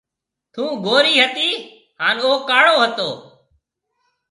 ٿُون گوري هتي هانَ او ڪاڙو هتو۔